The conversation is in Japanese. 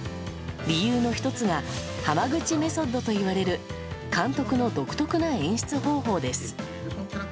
理由の１つが濱口メソッドといわれる監督の独特な演出方法です。